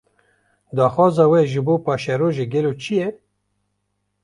Daxwaza we, ji bo paşerojê gelo çi ye?